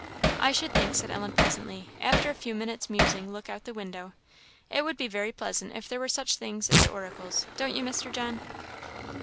"I should think," said Ellen presently, after a few minutes' musing look out of the window, "it would be very pleasant if there were such things as oracles don't you, Mr. John?"